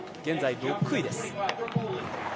現在６位です。